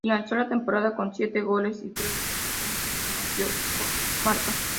Finalizó la temporada con siete goles y tres asistencias, su mejor marca.